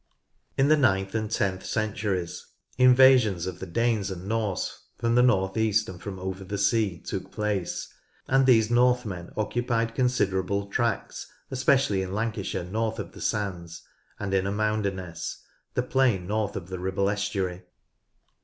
In the ninth and tenth centuries invasions of the Danes and Norse from the north east and from over the sea took place, and these Northmen occupied consider able tracts especially in Lancashire north of the sands HISTORY OF NORTH LANCASHIRE 109 and in Amounderness, the plain north of the Rihble estuary.